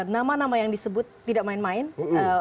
nama nama yang disebut tidak terlalu banyak